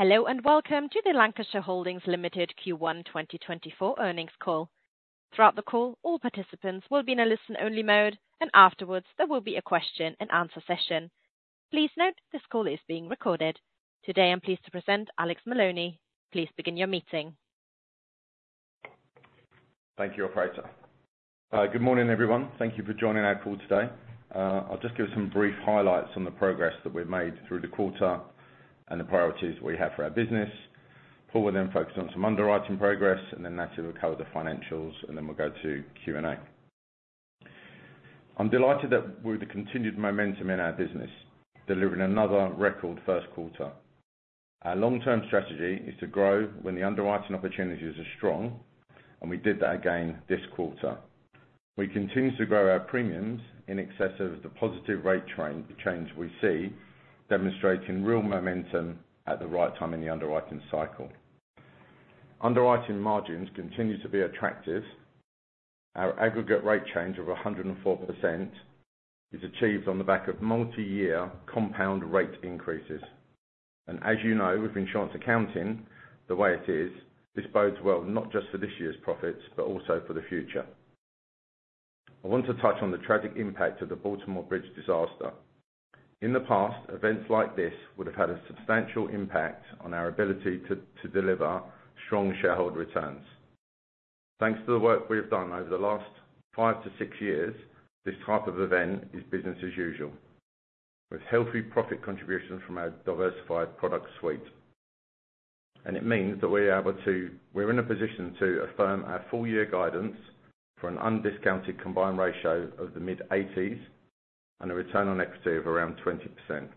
Hello, and welcome to the Lancashire Holdings Limited Q1 2024 earnings call. Throughout the call, all participants will be in a listen-only mode, and afterwards, there will be a question and answer session. Please note, this call is being recorded. Today, I'm pleased to present Alex Maloney. Please begin your meeting. Thank you, operator. Good morning, everyone. Thank you for joining our call today. I'll just give some brief highlights on the progress that we've made through the quarter and the priorities we have for our business. Paul will then focus on some underwriting progress, and then Natalie will cover the financials, and then we'll go to Q&A. I'm delighted that with the continued momentum in our business, delivering another record first quarter. Our long-term strategy is to grow when the underwriting opportunities are strong, and we did that again this quarter. We continued to grow our premiums in excess of the positive rate change we see, demonstrating real momentum at the right time in the underwriting cycle. Underwriting margins continue to be attractive. Our aggregate rate change of 104% is achieved on the back of multi-year compound rate increases. As you know, with insurance accounting, the way it is, this bodes well, not just for this year's profits, but also for the future. I want to touch on the tragic impact of the Baltimore Bridge disaster. In the past, events like this would have had a substantial impact on our ability to deliver strong shareholder returns. Thanks to the work we have done over the last five to six years, this type of event is business as usual, with healthy profit contributions from our diversified product suite. It means that we're able to. We're in a position to affirm our full-year guidance for an undiscounted combined ratio of the mid-80s and a return on equity of around 20%.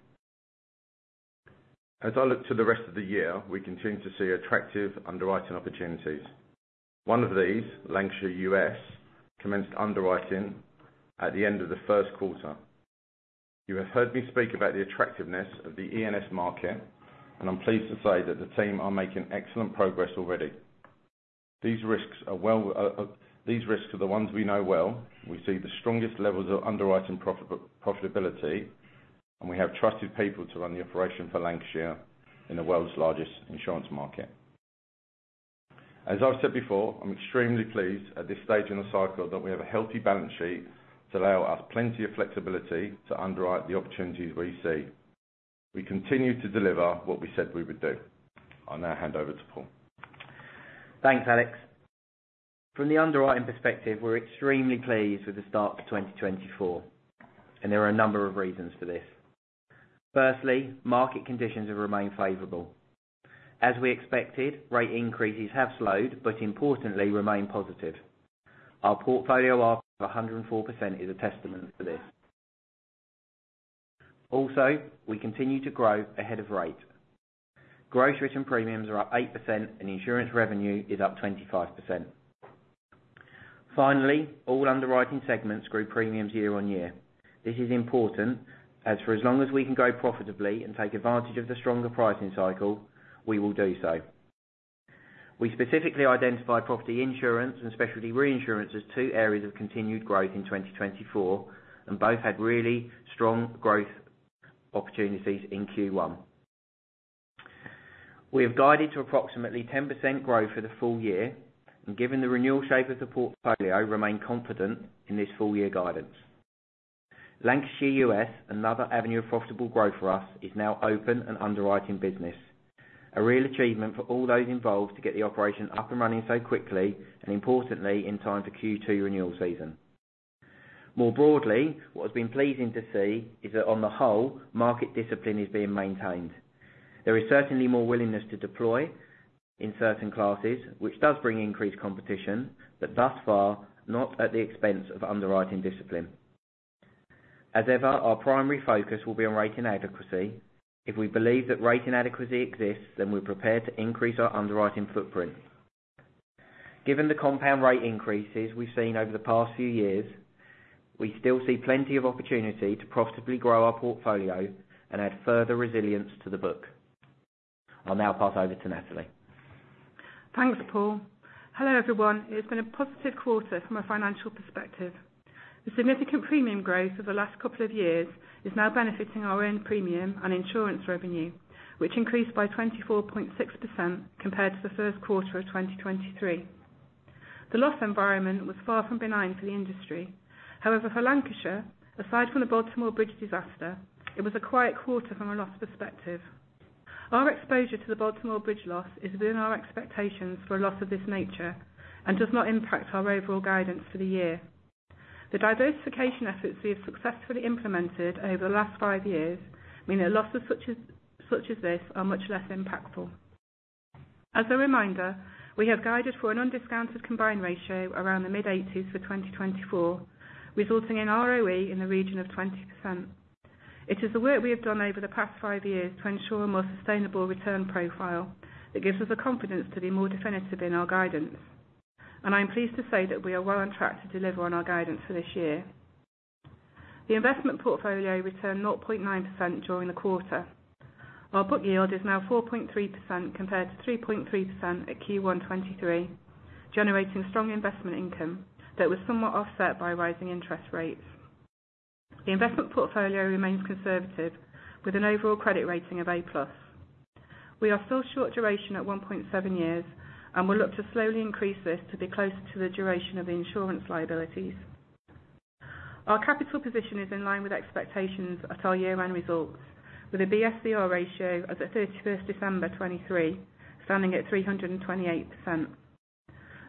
As I look to the rest of the year, we continue to see attractive underwriting opportunities. One of these, Lancashire U.S., commenced underwriting at the end of the first quarter. You have heard me speak about the attractiveness of the E&S market, and I'm pleased to say that the team are making excellent progress already. These risks are well, these risks are the ones we know well. We see the strongest levels of underwriting profitability, and we have trusted people to run the operation for Lancashire in the world's largest insurance market. As I've said before, I'm extremely pleased at this stage in the cycle that we have a healthy balance sheet to allow us plenty of flexibility to underwrite the opportunities we see. We continue to deliver what we said we would do. I'll now hand over to Paul. Thanks, Alex. From the underwriting perspective, we're extremely pleased with the start of 2024, and there are a number of reasons for this. Firstly, market conditions have remained favorable. As we expected, rate increases have slowed, but importantly, remain positive. Our portfolio of 104% is a testament to this. Also, we continue to grow ahead of rate. Gross written premiums are up 8%, and insurance revenue is up 25%. Finally, all underwriting segments grew premiums year-on-year. This is important, as for as long as we can grow profitably and take advantage of the stronger pricing cycle, we will do so. We specifically identified property insurance and specialty reinsurance as two areas of continued growth in 2024, and both had really strong growth opportunities in Q1. We have guided to approximately 10% growth for the full year, and given the renewal shape of the portfolio, remain confident in this full year guidance. Lancashire US, another avenue of profitable growth for us, is now open and underwriting business. A real achievement for all those involved to get the operation up and running so quickly, and importantly, in time for Q2 renewal season. More broadly, what has been pleasing to see is that on the whole, market discipline is being maintained. There is certainly more willingness to deploy in certain classes, which does bring increased competition, but thus far, not at the expense of underwriting discipline. As ever, our primary focus will be on rate inadequacy. If we believe that rate inadequacy exists, then we're prepared to increase our underwriting footprint. Given the compound rate increases we've seen over the past few years, we still see plenty of opportunity to profitably grow our portfolio and add further resilience to the book. I'll now pass over to Natalie. Thanks, Paul. Hello, everyone. It's been a positive quarter from a financial perspective. The significant premium growth for the last couple of years is now benefiting our own premium and insurance revenue, which increased by 24.6% compared to the first quarter of 2023. The loss environment was far from benign for the industry. However, for Lancashire, aside from the Baltimore Bridge disaster, it was a quiet quarter from a loss perspective. Our exposure to the Baltimore Bridge loss is within our expectations for a loss of this nature and does not impact our overall guidance for the year. The diversification efforts we have successfully implemented over the last five years mean that losses such as, such as this are much less impactful. As a reminder, we have guided for an undiscounted combined ratio around the mid-80s for 2024, resulting in ROE in the region of 20%. It is the work we have done over the past five years to ensure a more sustainable return profile that gives us the confidence to be more definitive in our guidance. And I'm pleased to say that we are well on track to deliver on our guidance for this year. The investment portfolio returned 0.9% during the quarter. Our book yield is now 4.3%, compared to 3.3% at Q1 2023, generating strong investment income that was somewhat offset by rising interest rates. The investment portfolio remains conservative, with an overall credit rating of A+. We are still short duration at 1.7 years, and we'll look to slowly increase this to be closer to the duration of the insurance liabilities. Our capital position is in line with expectations at our year-end results, with a BSCR ratio as at December 31, 2023, standing at 328%.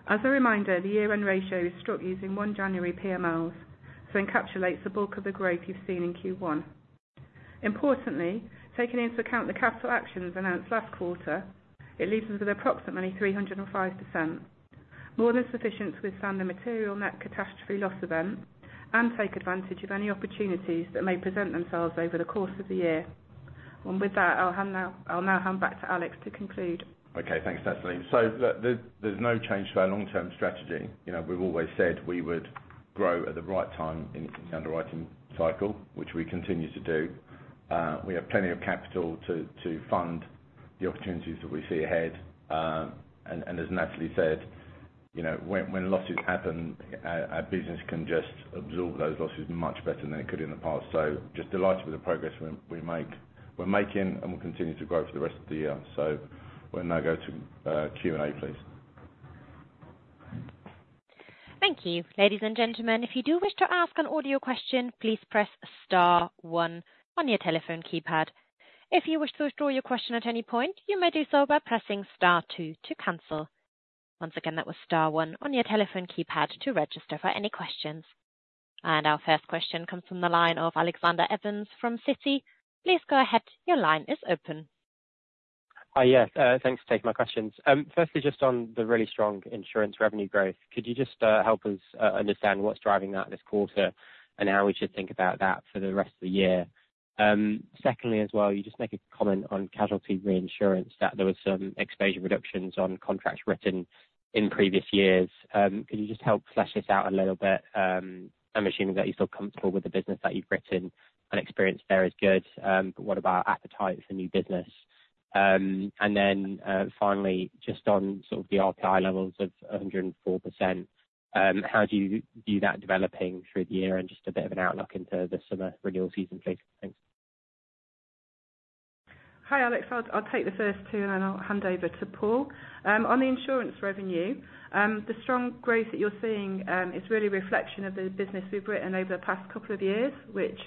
As a reminder, the year-end ratio is struck using 1 January PMLs, so encapsulates the bulk of the growth you've seen in Q1. Importantly, taking into account the capital actions announced last quarter, it leaves us with approximately 305%, more than sufficient to withstand a material net catastrophe loss event and take advantage of any opportunities that may present themselves over the course of the year. And with that, I'll now hand back to Alex to conclude. Okay, thanks, Natalie. So, there's no change to our long-term strategy. You know, we've always said we would grow at the right time in the underwriting cycle, which we continue to do. We have plenty of capital to fund the opportunities that we see ahead. And as Natalie said, you know, when losses happen, our business can just absorb those losses much better than it could in the past. So just delighted with the progress we're making, and we'll continue to grow for the rest of the year. So we'll now go to Q&A, please. Thank you. Ladies and gentlemen, if you do wish to ask an audio question, please press star one on your telephone keypad. If you wish to withdraw your question at any point, you may do so by pressing star two to cancel. Once again, that was star one on your telephone keypad to register for any questions. Our first question comes from the line of Alexander Evans from Citi. Please go ahead. Your line is open. Yes, thanks for taking my questions. Firstly, just on the really strong insurance revenue growth, could you just help us understand what's driving that this quarter, and how we should think about that for the rest of the year? Secondly, as well, you just make a comment on casualty reinsurance, that there was some exposure reductions on contracts written in previous years. Can you just help flesh this out a little bit? I'm assuming that you're still comfortable with the business that you've written and experience there is good, but what about appetite for new business? And then, finally, just on sort of the RPI levels of 104%, how do you view that developing through the year? And just a bit of an outlook into the summer renewal season, please. Thanks. Hi, Alex. I'll take the first two, and then I'll hand over to Paul. On the insurance revenue, the strong growth that you're seeing is really a reflection of the business we've written over the past couple of years, which,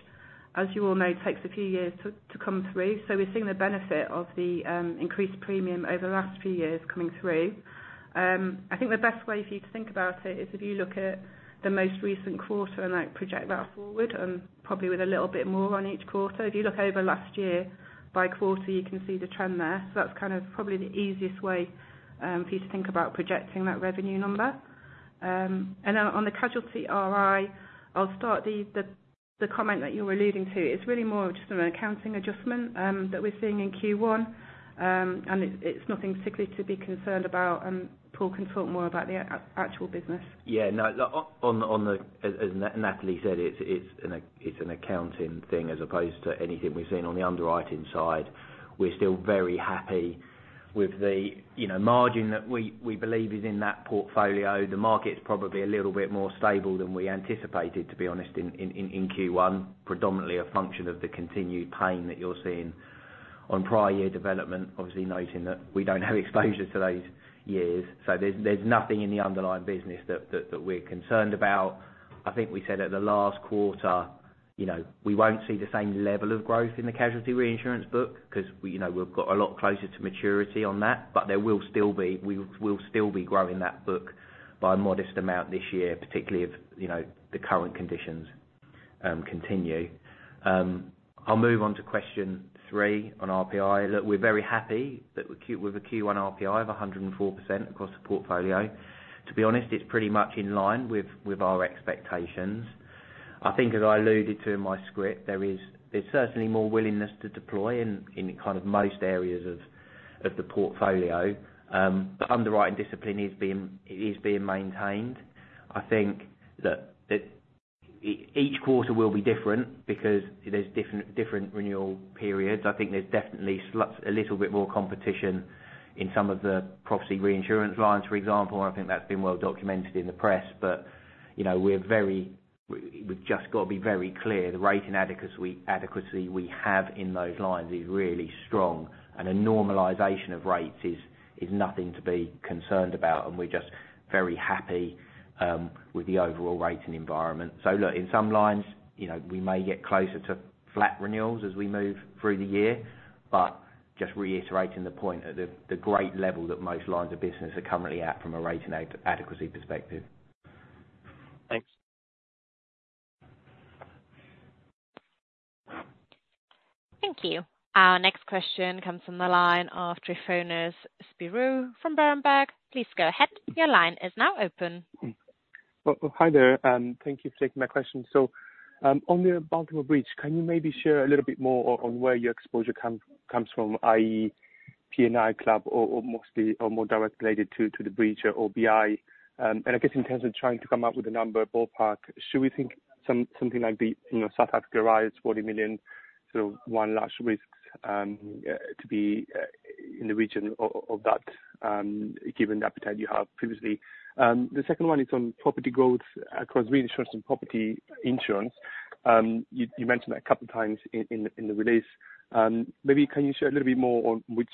as you all know, takes a few years to come through. So we're seeing the benefit of the increased premium over the last few years coming through. I think the best way for you to think about it is if you look at the most recent quarter and, like, project that forward, and probably with a little bit more on each quarter. If you look over last year by quarter, you can see the trend there. So that's kind of probably the easiest way for you to think about projecting that revenue number. And then on the casualty RI, I'll start the comment that you were alluding to. It's really more just an accounting adjustment that we're seeing in Q1. And it's nothing particularly to be concerned about, and Paul can talk more about the actual business. Yeah, no, on the... as Natalie said, it's an accounting thing as opposed to anything we've seen on the underwriting side. We're still very happy with the, you know, margin that we believe is in that portfolio. The market's probably a little bit more stable than we anticipated, to be honest, in Q1, predominantly a function of the continued pain that you're seeing on prior year development. Obviously, noting that we don't have exposure to those years. So there's nothing in the underlying business that we're concerned about. I think we said at the last quarter, you know, we won't see the same level of growth in the casualty reinsurance book, 'cause we, you know, we've got a lot closer to maturity on that. But there will still be, we will still be growing that book by a modest amount this year, particularly if, you know, the current conditions continue. I'll move on to question three on RPI. Look, we're very happy that with a Q1 RPI of 104% across the portfolio. To be honest, it's pretty much in line with our expectations. I think, as I alluded to in my script, there's certainly more willingness to deploy in kind of most areas of the portfolio. But underwriting discipline is being maintained. I think that each quarter will be different because there's different renewal periods. I think there's definitely a little bit more competition in some of the property reinsurance lines, for example, and I think that's been well documented in the press. But, you know, we're very, we've just got to be very clear, the rating adequacy we have in those lines is really strong, and a normalization of rates is nothing to be concerned about, and we're just very happy with the overall rating environment. So look, in some lines, you know, we may get closer to flat renewals as we move through the year, but just reiterating the point that the great level that most lines of business are currently at from a rating adequacy perspective. Thanks. Thank you. Our next question comes from the line of Tryfonas Spirou from Berenberg. Please go ahead. Your line is now open. Oh, hi there, thank you for taking my question. So, on the Baltimore Bridge, can you maybe share a little bit more on, on where your exposure comes from, i.e., P&I Club or, or mostly or more direct related to, to the bridge or BI? And I guess in terms of trying to come up with a number ballpark, should we think something like the, you know, South Africa riots, $40 million? ... So one large risk to be in the region of that given the appetite you have previously. The second one is on property growth across reinsurance and property insurance. You mentioned that a couple of times in the release. Maybe can you share a little bit more on which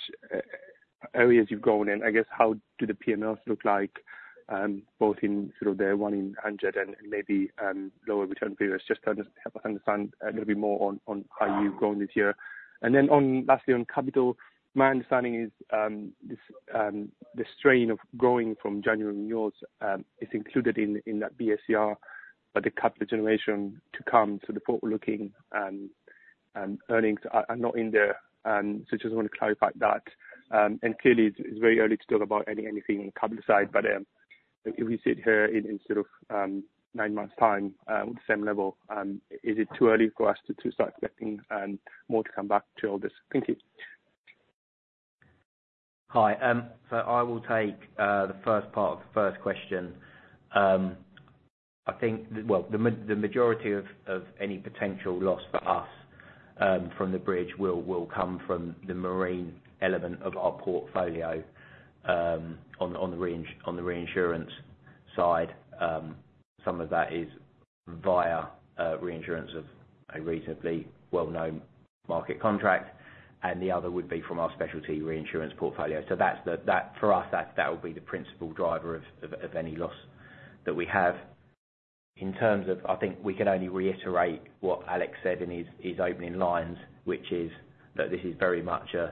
areas you've grown in? I guess, how do the PMLs look like both in sort of the one in a hundred and maybe lower return periods, just to help us understand a little bit more on how you've grown this year. And then lastly on capital. My understanding is, the strain of growing from January renewals is included in that BSCR, but the capital generation to come, so the forward-looking earnings are not in there. So I just want to clarify that. And clearly, it's very early to talk about anything on the capital side, but if we sit here in sort of nine months' time, the same level, is it too early for us to start expecting more to come back to all this? Thank you. Hi. So I will take the first part of the first question. I think, well, the majority of any potential loss for us from the bridge will come from the marine element of our portfolio. On the reinsurance side, some of that is via reinsurance of a reasonably well-known market contract, and the other would be from our specialty reinsurance portfolio. So that's the... That for us, that will be the principal driver of any loss that we have. In terms of... I think we can only reiterate what Alex said in his opening lines, which is that this is very much a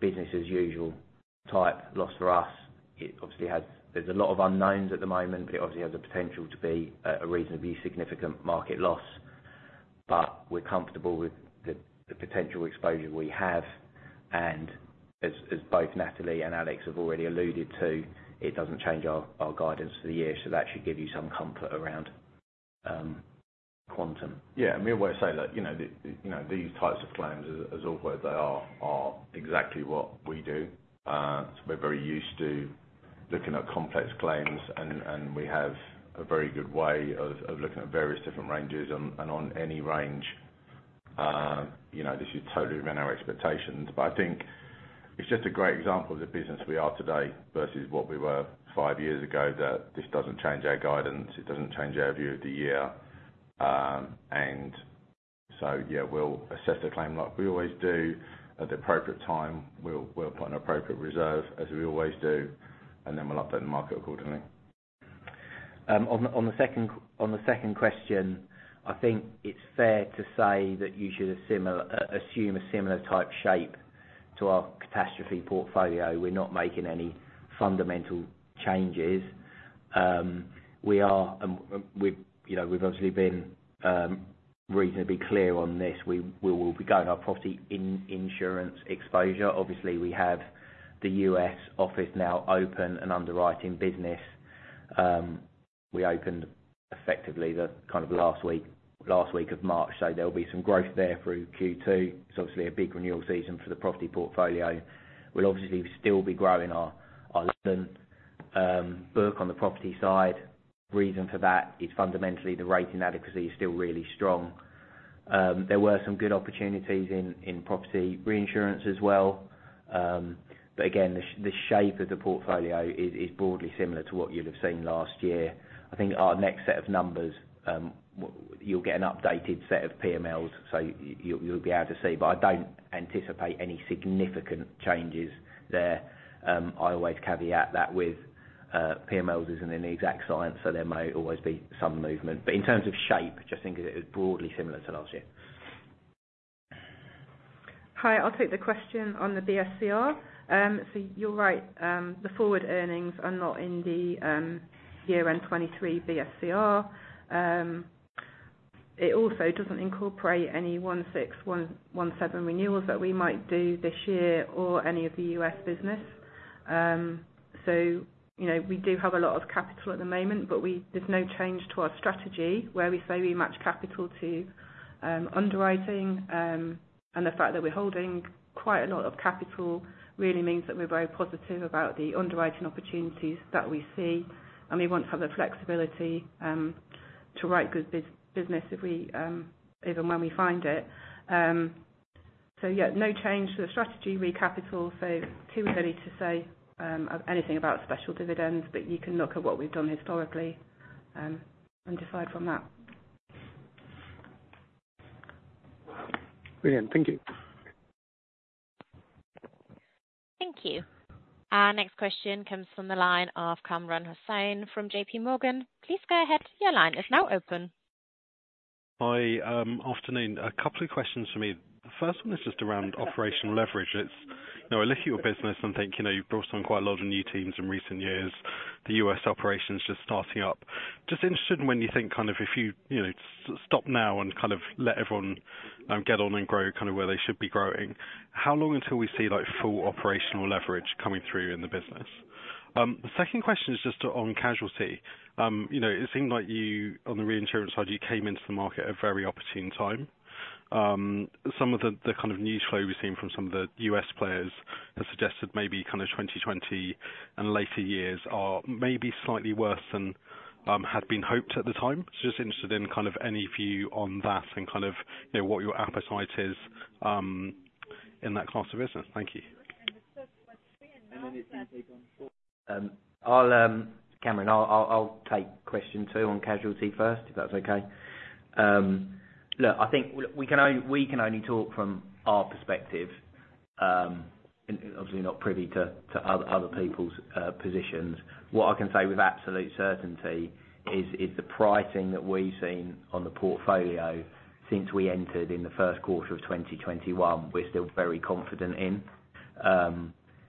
business as usual type loss for us. It obviously has. There's a lot of unknowns at the moment, but it obviously has the potential to be a reasonably significant market loss. But we're comfortable with the potential exposure we have, and as both Natalie and Alex have already alluded to, it doesn't change our guidance for the year. So that should give you some comfort around quantum. Yeah, and we always say that, you know, the, you know, these types of claims, as awkward as they are, are exactly what we do. So we're very used to looking at complex claims, and we have a very good way of looking at various different ranges. And on any range, you know, this is totally within our expectations. But I think it's just a great example of the business we are today versus what we were five years ago, that this doesn't change our guidance, it doesn't change our view of the year. And so, yeah, we'll assess the claim like we always do at the appropriate time. We'll put an appropriate reserve, as we always do, and then we'll update the market accordingly. On the second question, I think it's fair to say that you should assume a similar type shape to our catastrophe portfolio. We're not making any fundamental changes. We are, we, you know, we've obviously been reasonably clear on this. We will be growing our property insurance exposure. Obviously, we have the U.S. office now open and underwriting business. We opened effectively the kind of last week of March, so there'll be some growth there through Q2. It's obviously a big renewal season for the property portfolio. We'll obviously still be growing our London book on the property side. The reason for that is fundamentally the rating adequacy is still really strong. There were some good opportunities in property reinsurance as well. But again, the shape of the portfolio is broadly similar to what you'd have seen last year. I think our next set of numbers, you'll get an updated set of PMLs, so you'll be able to see. But I don't anticipate any significant changes there. I always caveat that with, PMLs isn't an exact science, so there may always be some movement. But in terms of shape, just think of it as broadly similar to last year. Hi, I'll take the question on the BSCR. So you're right, the forward earnings are not in the year-end 2023 BSCR. It also doesn't incorporate any 6/1,7/1 renewals that we might do this year or any of the U.S. business. So you know, we do have a lot of capital at the moment, but we, there's no change to our strategy, where we say we match capital to underwriting. And the fact that we're holding quite a lot of capital really means that we're very positive about the underwriting opportunities that we see, and we want to have the flexibility to write good business if we even when we find it. So yeah, no change to the strategy re capital, so too early to say anything about special dividends, but you can look at what we've done historically, and decide from that. Brilliant. Thank you. Thank you. Our next question comes from the line of Kamran Hossain from J.P. Morgan. Please go ahead. Your line is now open. Hi, afternoon. A couple of questions from me. The first one is just around operational leverage. It's, you know, I look at your business and think, you know, you've brought on quite a lot of new teams in recent years, the U.S. operations just starting up. Just interested in when you think, kind of, if you, you know, stop now and kind of let everyone get on and grow kind of where they should be growing, how long until we see, like, full operational leverage coming through in the business? The second question is just on casualty. You know, it seemed like you, on the reinsurance side, you came into the market a very opportune time. Some of the kind of news flow we've seen from some of the U.S. players has suggested maybe kind of 2020 and later years are maybe slightly worse than had been hoped at the time. So just interested in, kind of, any view on that and, kind of, you know, what your appetite is in that class of business. Thank you.... I'll take question two on casualty first, if that's okay. Look, I think we can only talk from our perspective, and obviously not privy to other people's positions. What I can say with absolute certainty is the pricing that we've seen on the portfolio since we entered in the first quarter of 2021, we're still very confident in.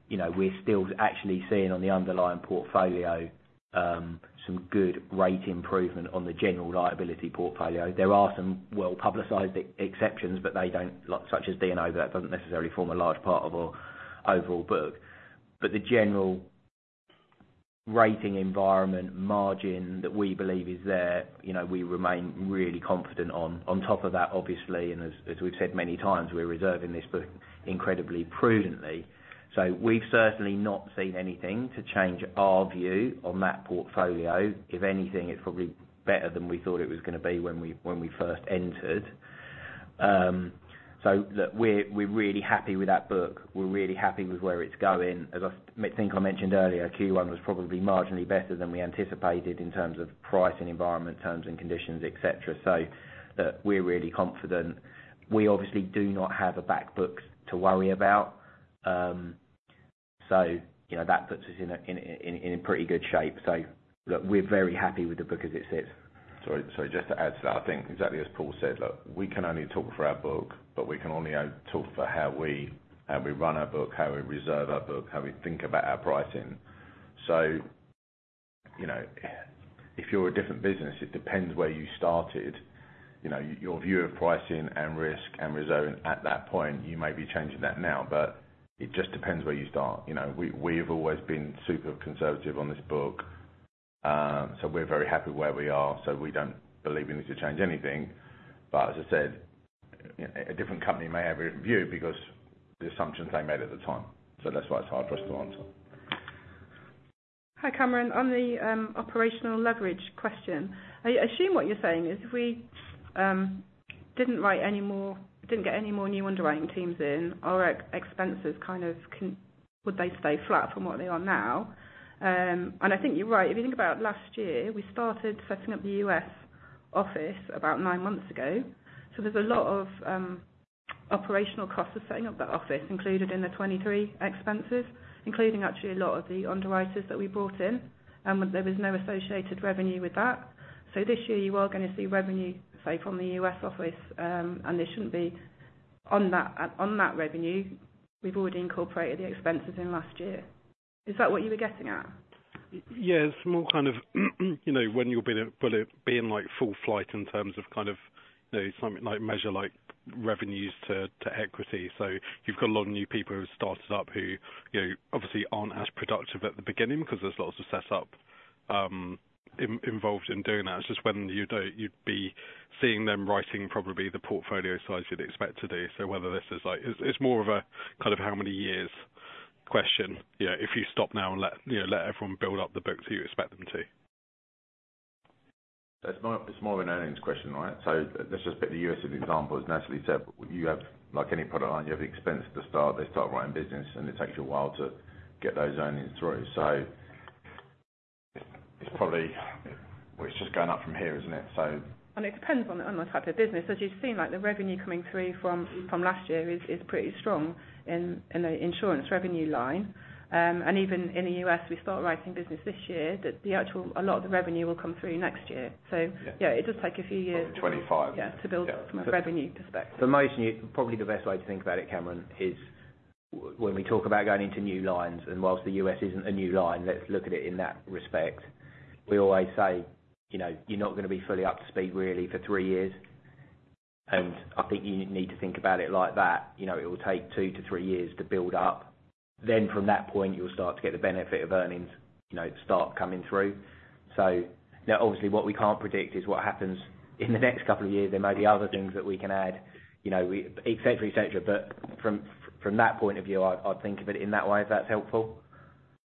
You know, we're still actually seeing on the underlying portfolio some good rate improvement on the general liability portfolio. There are some well-publicized exceptions, but they don't like, such as D&O, but that doesn't necessarily form a large part of our overall book. But the general rating environment margin that we believe is there, you know, we remain really confident on. On top of that, obviously, and as we've said many times, we're reserving this book incredibly prudently. So we've certainly not seen anything to change our view on that portfolio. If anything, it's probably better than we thought it was gonna be when we first entered. So look, we're really happy with that book. We're really happy with where it's going. As I think I mentioned earlier, Q1 was probably marginally better than we anticipated in terms of pricing environment, terms and conditions, et cetera. So look, we're really confident. We obviously do not have a back book to worry about. So you know, that puts us in pretty good shape. So look, we're very happy with the book as it sits. Sorry, sorry, just to add to that, I think exactly as Paul said, look, we can only talk for our book, but we can only talk for how we run our book, how we reserve our book, how we think about our pricing. So, you know, if you're a different business, it depends where you started. You know, your view of pricing and risk and reserve at that point, you may be changing that now, but it just depends where you start. You know, we, we've always been super conservative on this book, so we're very happy where we are. So we don't believe we need to change anything. But as I said, a different company may have a different view because the assumptions they made at the time. So that's why it's hard for us to answer. Hi, Kamran. On the operational leverage question, I assume what you're saying is, if we didn't write any more, didn't get any more new underwriting teams in, our expenses kind of would they stay flat from what they are now? And I think you're right. If you think about last year, we started setting up the US office about nine months ago. So there's a lot of operational costs of setting up that office included in the 2023 expenses, including actually a lot of the underwriters that we brought in, and there was no associated revenue with that. So this year you are gonna see revenue, say, from the US office, and there shouldn't be on that, on that revenue. We've already incorporated the expenses in last year. Is that what you were getting at? Yeah. It's more kind of, you know, when you'll be at, be in, like, full flight in terms of kind of, you know, something like measure, like revenues to, to equity. So you've got a lot of new people who started up, who, you know, obviously aren't as productive at the beginning because there's lots of set up, involved in doing that. It's just when you'd be seeing them writing probably the portfolio size you'd expect to do. So whether this is like... It's more of a kind of how many years question. Yeah, if you stop now and, you know, let everyone build up the books you expect them to. It's more, it's more of an earnings question, right? So let's just take the U.S. as an example. As Natalie said, you have, like any product line, you have the expense at the start. They start writing business, and it takes you a while to get those earnings through. So it's, it's probably, well, it's just going up from here, isn't it? So- It depends on the type of business. As you've seen, like, the revenue coming through from last year is pretty strong in the insurance revenue line. And even in the US, we start writing business this year, that the actual, a lot of the revenue will come through next year. So- Yeah. Yeah, it does take a few years. Twenty-five. Yeah, to build up from a revenue perspective. For most new, probably the best way to think about it, Kamran, is when we talk about going into new lines, and whilst the U.S. isn't a new line, let's look at it in that respect. We always say, you know, "You're not gonna be fully up to speed really for three years." And I think you need to think about it like that. You know, it will take two to three years to build up. Then from that point, you'll start to get the benefit of earnings, you know, start coming through. So now obviously, what we can't predict is what happens in the next couple of years. There may be other things that we can add, you know, et cetera, et cetera. But from that point of view, I'd think of it in that way, if that's helpful.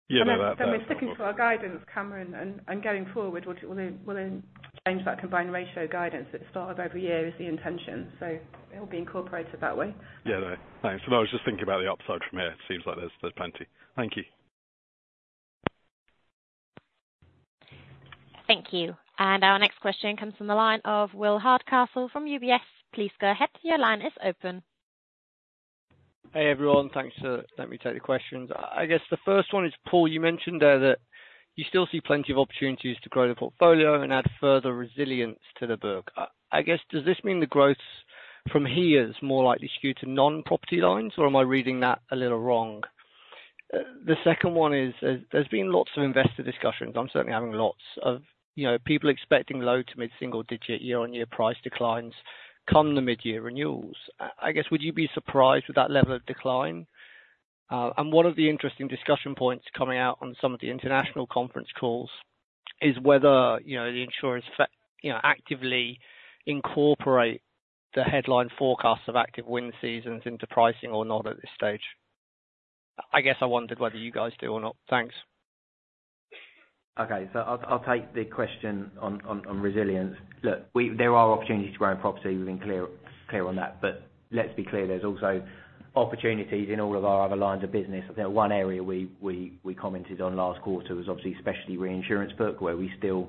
Yeah, no, that, that- Sticking to our guidance, Kamran, and going forward, we'll then change that combined ratio guidance at the start of every year is the intention, so it'll be incorporated that way. Yeah. Thanks. Well, I was just thinking about the upside from here. It seems like there's, there's plenty. Thank you. Thank you. And our next question comes from the line of Will Hardcastle from UBS. Please go ahead. Your line is open. Hey, everyone. Thanks for letting me take the questions. I guess the first one is, Paul, you mentioned that you still see plenty of opportunities to grow the portfolio and add further resilience to the book. I guess, does this mean the growth from here is more likely skewed to non-property lines, or am I reading that a little wrong? The second one is, there's been lots of investor discussions. I'm certainly having lots of, you know, people expecting low to mid-single digit year-on-year price declines come the mid-year renewals. I guess, would you be surprised at that level of decline? And one of the interesting discussion points coming out on some of the international conference calls is whether, you know, the insurers, you know, actively incorporate the headline forecasts of active wind seasons into pricing or not at this stage. I guess I wondered whether you guys do or not. Thanks. ... Okay, so I'll take the question on resilience. Look, we—there are opportunities to grow in property, we've been clear on that. But let's be clear, there's also opportunities in all of our other lines of business. I think one area we commented on last quarter was obviously specialty reinsurance book, where we still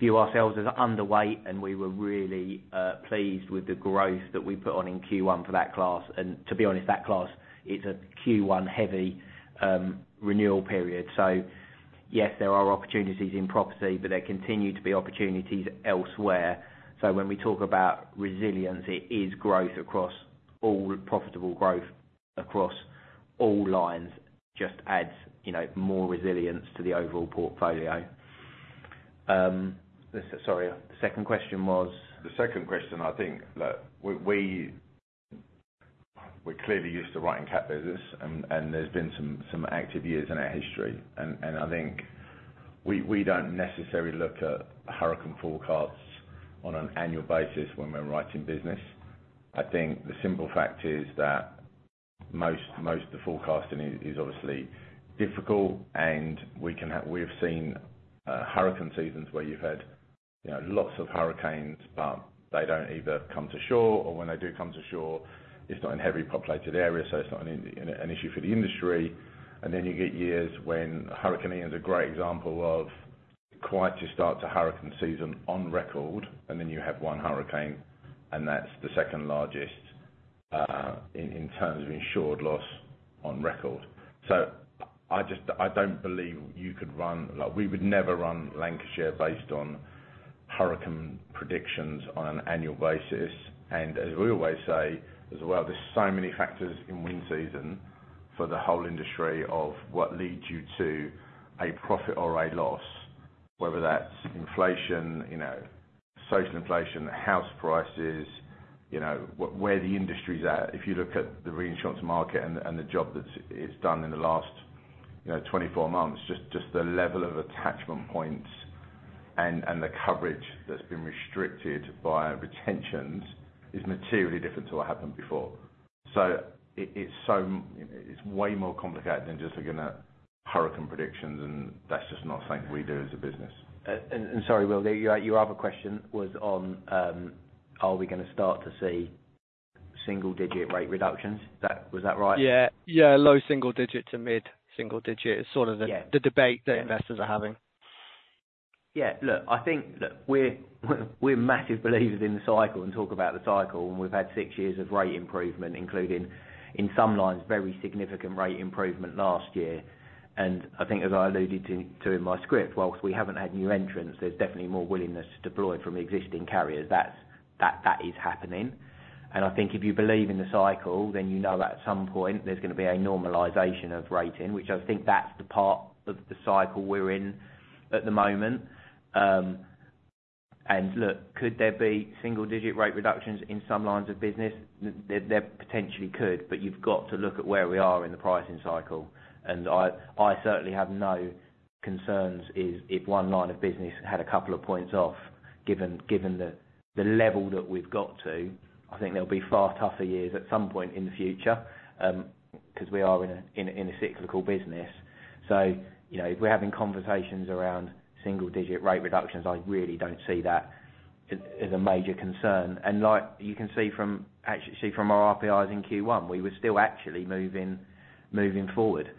view ourselves as underweight, and we were really pleased with the growth that we put on in Q1 for that class. And to be honest, that class is a Q1 heavy renewal period. So yes, there are opportunities in property, but there continue to be opportunities elsewhere. So when we talk about resilience, it is growth across all profitable growth, across all lines, just adds, you know, more resilience to the overall portfolio. Sorry, second question was? The second question, I think, look, we're clearly used to writing cat business, and there's been some active years in our history. And I think we don't necessarily look at hurricane forecasts on an annual basis when we're writing business. I think the simple fact is that most of the forecasting is obviously difficult, and we have seen hurricane seasons where you've had, you know, lots of hurricanes, but they don't either come to shore, or when they do come to shore, it's not in heavily populated areas, so it's not an issue for the industry. And then you get years when Hurricane Ian is a great example of quiet to start to hurricane season on record, and then you have one hurricane, and that's the second largest in terms of insured loss on record. So I just, I don't believe you could run... Like, we would never run Lancashire based on hurricane predictions on an annual basis. And as we always say, as well, there's so many factors in wind season for the whole industry of what leads you to a profit or a loss, whether that's inflation, you know, social inflation, house prices, you know, where the industry is at. If you look at the reinsurance market and the, and the job that it's done in the last, you know, 24 months, just, just the level of attachment points and, and the coverage that's been restricted by retentions is materially different to what happened before. So it, it's so—it's way more complicated than just looking at hurricane predictions, and that's just not something we do as a business. Sorry, Will, your other question was on, are we going to start to see single digit rate reductions? That was that right? Yeah, yeah, low single-digit to mid-single-digit is sort of the- Yeah... the debate that investors are having. Yeah, look, I think that we're massive believers in the cycle and talk about the cycle, and we've had six years of rate improvement, including in some lines, very significant rate improvement last year. And I think as I alluded to in my script, whilst we haven't had new entrants, there's definitely more willingness to deploy from existing carriers. That's, that is happening. And I think if you believe in the cycle, then you know that at some point there's going to be a normalization of rating, which I think that's the part of the cycle we're in at the moment. And look, could there be single-digit rate reductions in some lines of business? There potentially could, but you've got to look at where we are in the pricing cycle. I certainly have no concerns if one line of business had a couple of points off, given the level that we've got to. I think there'll be far tougher years at some point in the future, because we are in a cyclical business. So you know, if we're having conversations around single digit rate reductions, I really don't see that as a major concern. And like you can see from our RPIs in Q1, we were still actually moving forward,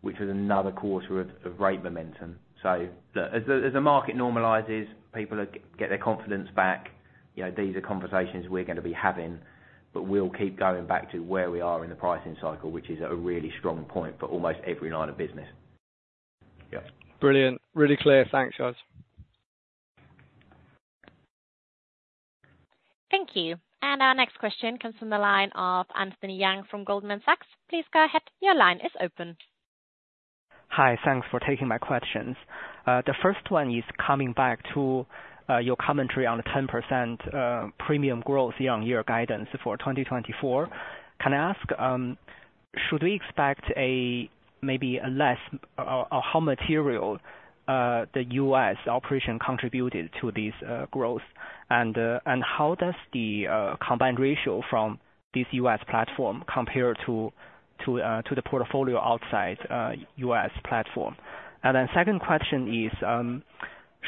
which was another quarter of rate momentum. So look, as the market normalizes, people are getting their confidence back, you know, these are conversations we're going to be having, but we'll keep going back to where we are in the pricing cycle, which is at a really strong point for almost every line of business. Yeah. Brilliant. Really clear. Thanks, guys. Thank you. And our next question comes from the line of Anthony Yang from Goldman Sachs. Please go ahead. Your line is open. Hi. Thanks for taking my questions. The first one is coming back to your commentary on the 10% premium growth year-over-year guidance for 2024. Can I ask, should we expect a, maybe a less, or, or how material the U.S. operation contributed to this growth? And, and how does the combined ratio from this U.S. platform compare to, to, to the portfolio outside U.S. platform? And then second question is,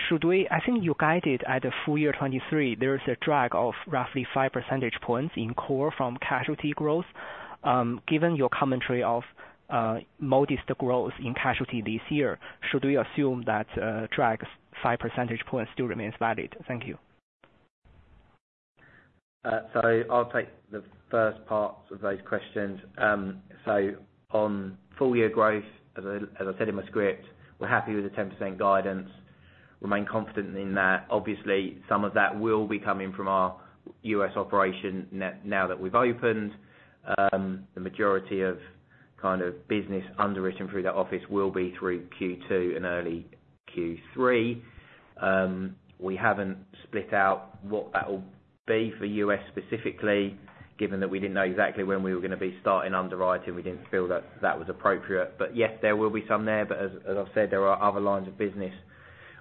should we—I think you guided at the full year 2023, there is a drag of roughly five percentage points in core from casualty growth. Given your commentary of modest growth in casualty this year, should we assume that drag 5 percentage points still remains valid? Thank you. So I'll take the first part of those questions. So on full year growth, as I said in my script, we're happy with the 10% guidance, remain confident in that. Obviously, some of that will be coming from our U.S. operation now that we've opened. The majority of kind of business underwritten through that office will be through Q2 and early Q3. We haven't split out what that'll be for U.S. specifically, given that we didn't know exactly when we were going to be starting underwriting. We didn't feel that that was appropriate. But yes, there will be some there. But as I've said, there are other lines of business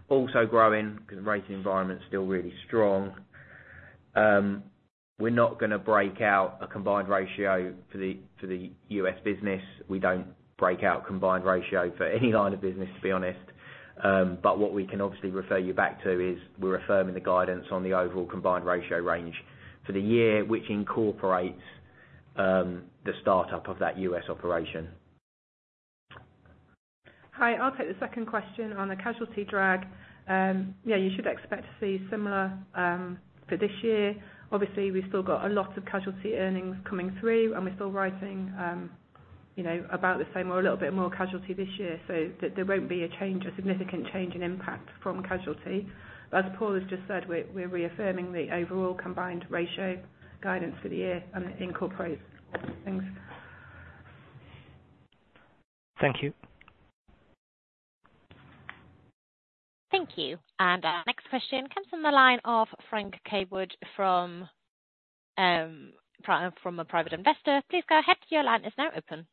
also growing, because the rating environment is still really strong.... we're not gonna break out a Combined Ratio for the U.S. business. We don't break out Combined Ratio for any line of business, to be honest. But what we can obviously refer you back to is we're affirming the guidance on the overall Combined Ratio range for the year, which incorporates the startup of that U.S. operation. Hi, I'll take the second question. On the casualty drag, yeah, you should expect to see similar for this year. Obviously, we've still got a lot of casualty earnings coming through, and we're still writing, you know, about the same or a little bit more casualty this year. So there won't be a change or significant change in impact from casualty. As Paul has just said, we're reaffirming the overall combined ratio guidance for the year and it incorporates. Thanks. Thank you. Thank you. Our next question comes from the line of Frank Cawood from a private investor. Please go ahead. Your line is now open.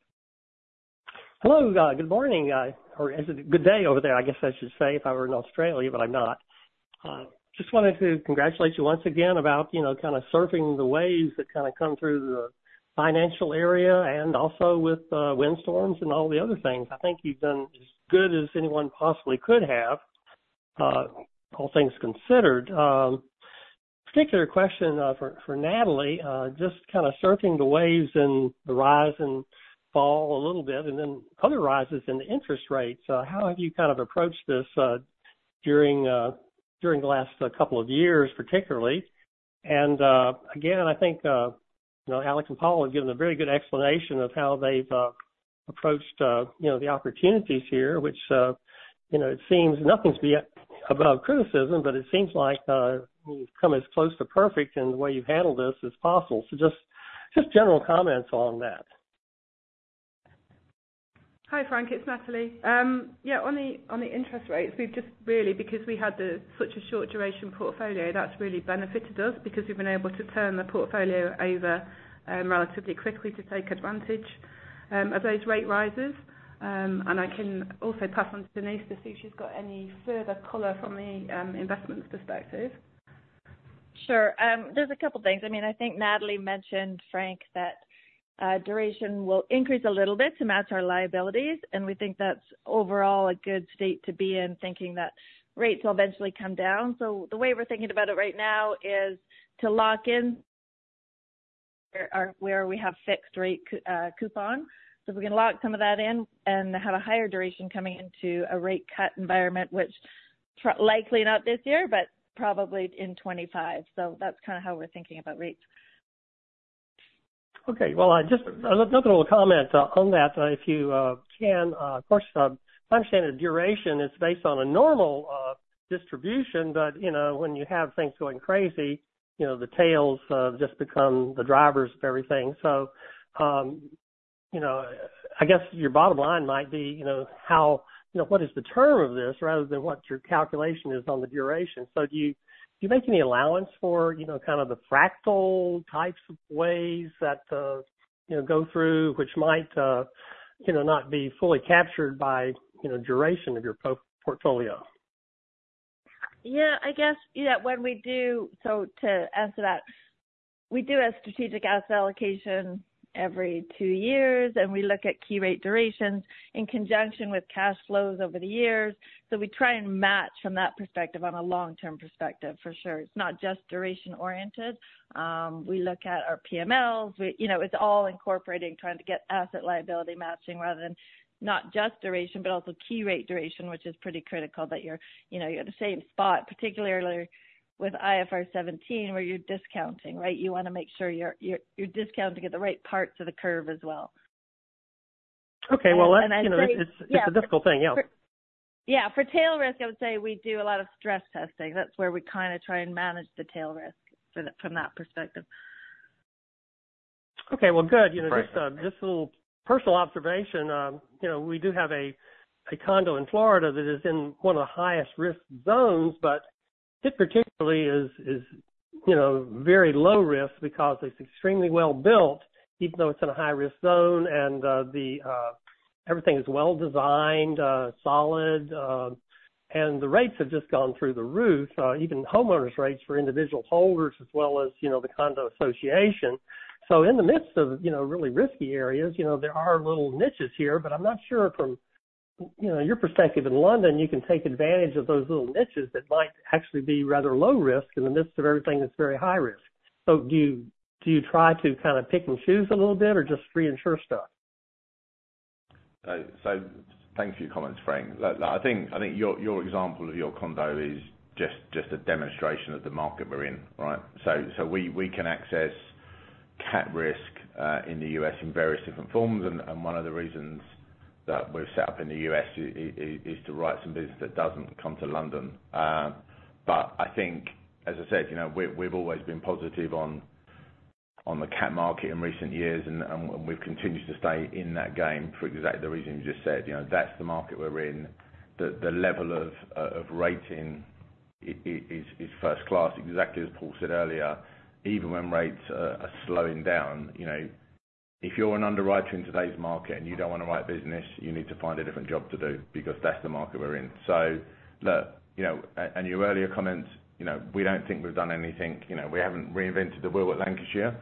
Hello, good morning, or is it good day over there, I guess I should say, if I were in Australia, but I'm not. Just wanted to congratulate you once again about, you know, kind of surfing the waves that kind of come through the financial area and also with, windstorms and all the other things. I think you've done as good as anyone possibly could have, all things considered. Particular question, for, for Natalie, just kind of surfing the waves and the rise and fall a little bit, and then other rises in the interest rates. How have you kind of approached this, during, during the last couple of years, particularly? Again, I think, you know, Alex and Paul have given a very good explanation of how they've approached, you know, the opportunities here, which, you know, it seems nothing's beyond criticism, but it seems like, you've come as close to perfect in the way you've handled this as possible. Just, just general comments on that. Hi, Frank, it's Natalie. Yeah, on the interest rates, we've just really, because we had such a short duration portfolio, that's really benefited us because we've been able to turn the portfolio over, relatively quickly to take advantage of those rate rises. And I can also pass on to Denise to see if she's got any further color from a investment perspective. Sure. There's a couple things. I mean, I think Natalie mentioned, Frank, that duration will increase a little bit to match our liabilities, and we think that's overall a good state to be in, thinking that rates will eventually come down. So the way we're thinking about it right now is to lock in where we have fixed rate coupon. So if we can lock some of that in and have a higher duration coming into a rate cut environment, which likely not this year, but probably in 2025. So that's kind of how we're thinking about rates. Okay. Well, I just, another little comment, on that, if you can. Of course, understanding the duration is based on a normal distribution, but, you know, when you have things going crazy, you know, the tails just become the drivers of everything. So, you know, I guess your bottom line might be, you know, how, you know, what is the term of this rather than what your calculation is on the duration? So do you, do you make any allowance for, you know, kind of the fractal types of ways that, you know, go through, which might, you know, not be fully captured by, you know, duration of your portfolio? Yeah, I guess, you know, when we do... So to answer that, we do a strategic asset allocation every two years, and we look at key rate durations in conjunction with cash flows over the years. So we try and match from that perspective on a long-term perspective, for sure. It's not just duration oriented. We look at our PMLs. We, you know, it's all incorporating, trying to get asset liability matching rather than not just duration, but also key rate duration, which is pretty critical that you're, you know, at the same spot, particularly with IFRS 17, where you're discounting, right? You wanna make sure you're discounting at the right parts of the curve as well. Okay, well, that's, you know, it's, it's a difficult thing. Yeah. Yeah, for tail risk, I would say we do a lot of stress testing. That's where we kind of try and manage the tail risk from, from that perspective. Okay, well, good. Great. You know, just, just a little personal observation, you know, we do have a condo in Florida that is in one of the highest risk zones, but it particularly is, you know, very low risk because it's extremely well built, even though it's in a high-risk zone. And, Everything is well designed, solid, and the rates have just gone through the roof, even homeowners rates for individual holders as well as, you know, the condo association. So in the midst of, you know, really risky areas, you know, there are little niches here, but I'm not sure from, you know, your perspective in London, you can take advantage of those little niches that might actually be rather low risk in the midst of everything that's very high risk. Do you, do you try to kind of pick and choose a little bit or just reinsure stuff? So thank you for your comments, Frank. Like, I think your example of your condo is just a demonstration of the market we're in, right? So we can access cat risk in the US in various different forms, and one of the reasons that we're set up in the U.S. is to write some business that doesn't come to London. But I think, as I said, you know, we've always been positive on the cat market in recent years, and we've continued to stay in that game for exactly the reason you just said. You know, that's the market we're in. The level of rating is first class, exactly as Paul said earlier. Even when rates are slowing down, you know... If you're an underwriter in today's market, and you don't want to write business, you need to find a different job to do because that's the market we're in. So look, you know, and your earlier comments, you know, we don't think we've done anything, you know, we haven't reinvented the wheel at Lancashire,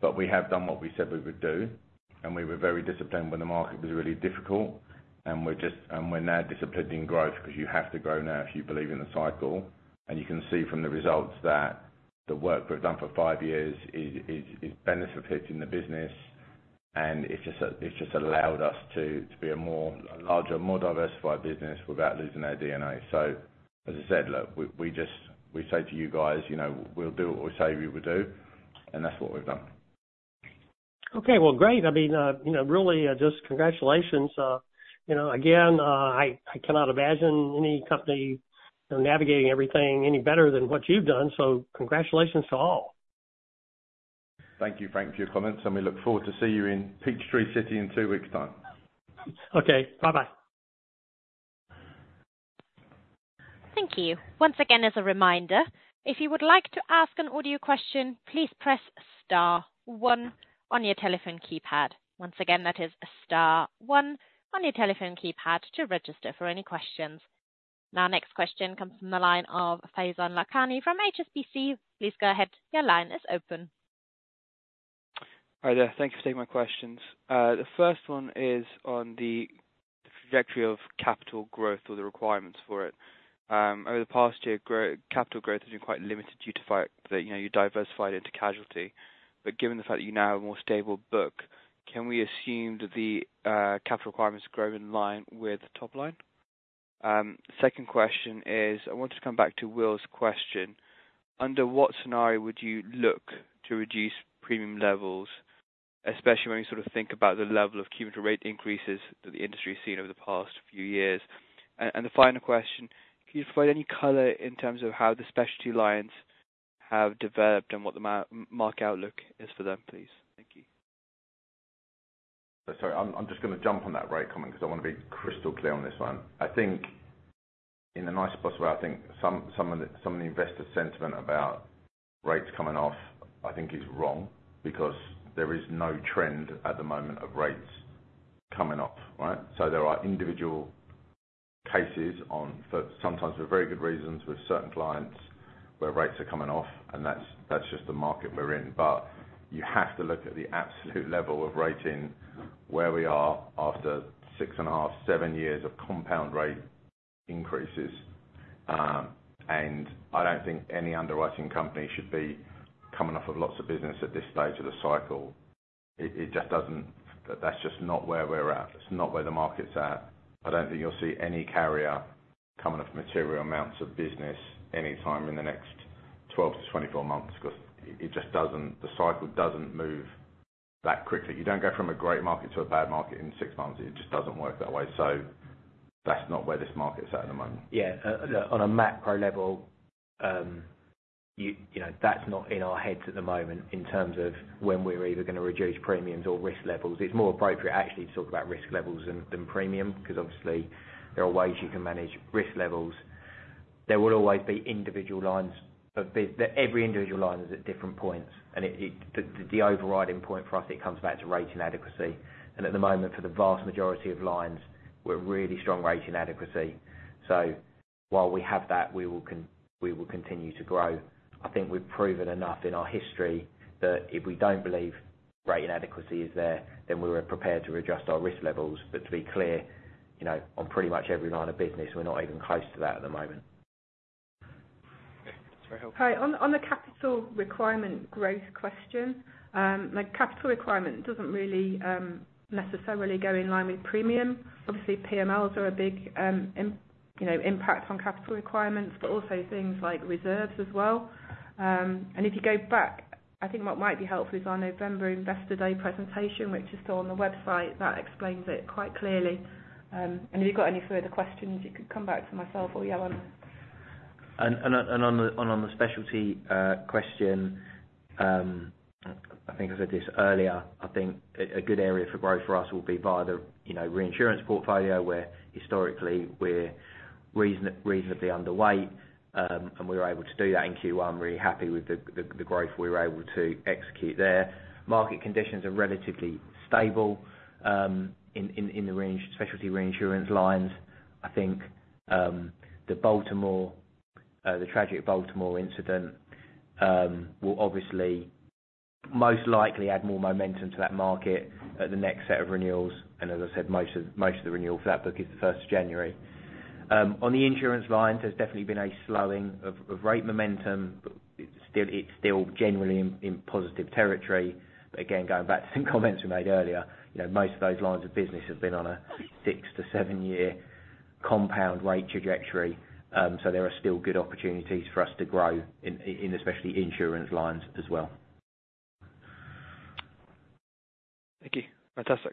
but we have done what we said we would do, and we were very disciplined when the market was really difficult, and we're just and we're now disciplined in growth, because you have to grow now if you believe in the cycle. And you can see from the results that the work we've done for five years is benefiting the business, and it's just allowed us to be a more larger, more diversified business without losing our DNA. As I said, look, we just say to you guys, you know, "We'll do what we say we will do," and that's what we've done. Okay, well, great! I mean, you know, really, just congratulations. You know, again, I cannot imagine any company, you know, navigating everything any better than what you've done, so congratulations to all. Thank you, Frank, for your comments, and we look forward to seeing you in Peachtree City in two weeks' time. Okay, bye-bye. Thank you. Once again, as a reminder, if you would like to ask an audio question, please press star one on your telephone keypad. Once again, that is star one on your telephone keypad to register for any questions. Now, next question comes from the line of Faizan Lakhani from HSBC. Please go ahead. Your line is open. Hi there. Thank you for taking my questions. The first one is on the trajectory of capital growth or the requirements for it. Over the past year, capital growth has been quite limited due to fact that, you know, you diversified into casualty. But given the fact that you now have a more stable book, can we assume that the capital requirements grow in line with top line? Second question is, I wanted to come back to Will's question. Under what scenario would you look to reduce premium levels, especially when you sort of think about the level of cumulative rate increases that the industry has seen over the past few years? The final question, can you provide any color in terms of how the specialty lines have developed and what the market outlook is for them, please? Thank you. Sorry, I'm just going to jump on that rate comment, because I want to be crystal clear on this one. I think in the nicest possible way, I think some of the investor sentiment about rates coming off, I think is wrong, because there is no trend at the moment of rates coming off, right? So there are individual cases on... for sometimes for very good reasons, with certain clients, where rates are coming off, and that's just the market we're in. But you have to look at the absolute level of rating where we are after six and a half to seven years of compound rate increases. And I don't think any underwriting company should be coming off of lots of business at this stage of the cycle. It just doesn't... That's just not where we're at. It's not where the market's at. I don't think you'll see any carrier coming off material amounts of business anytime in the next 12-24 months, because it just doesn't, the cycle doesn't move that quickly. You don't go from a great market to a bad market in six months. It just doesn't work that way. So that's not where this market's at, at the moment. Yeah. On a macro level, you know, that's not in our heads at the moment in terms of when we're either going to reduce premiums or risk levels. It's more appropriate actually to talk about risk levels than premium, because obviously there are ways you can manage risk levels. There will always be individual lines. Every individual line is at different points, and the overriding point for us, it comes back to rate and adequacy. At the moment, for the vast majority of lines, we're really strong rate and adequacy. While we have that, we will continue to grow. I think we've proven enough in our history that if we don't believe rate and adequacy is there, then we're prepared to adjust our risk levels. But to be clear, you know, on pretty much every line of business, we're not even close to that at the moment. Okay. That's very helpful. Hi. On the capital requirement growth question, the capital requirement doesn't really, necessarily go in line with premium. Obviously, PMLs are a big, you know, impact on capital requirements, but also things like reserves as well. And if you go back, I think what might be helpful is our November Investor Day presentation, which is still on the website. That explains it quite clearly. And if you've got any further questions, you could come back to myself Faizan. On the specialty question, I think I said this earlier, I think a good area for growth for us will be via the, you know, reinsurance portfolio, where historically, we're reasonably underweight. And we were able to do that in Q1. I'm really happy with the growth we were able to execute there. Market conditions are relatively stable in the specialty reinsurance lines. I think the tragic Baltimore incident will obviously most likely add more momentum to that market at the next set of renewals. And as I said, most of the renewals for that book is the first of January. On the insurance lines, there's definitely been a slowing of rate momentum, but it's still generally in positive territory. But again, going back to some comments we made earlier, you know, most of those lines of business have been on a six to seven-year compound rate trajectory. So there are still good opportunities for us to grow in especially insurance lines as well. Thank you. Fantastic.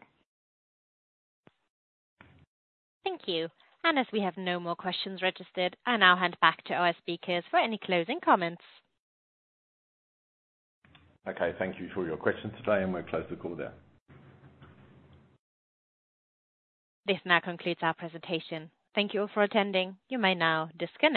Thank you. As we have no more questions registered, I now hand back to our speakers for any closing comments. Okay. Thank you for your questions today, and we'll close the call there. This now concludes our presentation. Thank you all for attending. You may now disconnect.